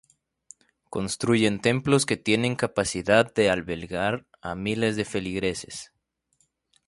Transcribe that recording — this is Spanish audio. Construyen templos que tienen capacidad de albergar a miles de feligreses.